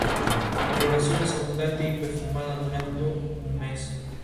La floración es abundante y perfumada durando un mes.